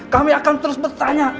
kami akan terus bertanya